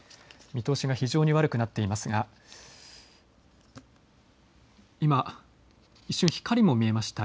見通しが非常に悪くなっていますが今、一瞬、光も見えました。